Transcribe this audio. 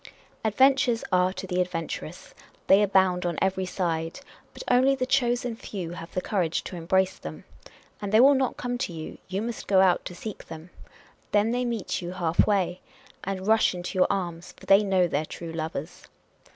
Adventures are to the adventurous. They abound on every side ; but only the chosen few have the courage to embrace them. And they will not come to you : you nuist go out to seek them. Then they meet you halfway, and rush into your arms, for they know their true lovers.